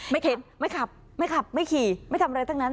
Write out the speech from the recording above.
ไม่เข็นไม่ขับไม่ขี่ไม่ทำอะไรตั้งนั้น